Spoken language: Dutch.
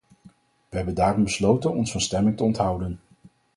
We hebben daarom besloten ons van stemming te onthouden.